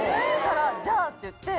じゃあって言って。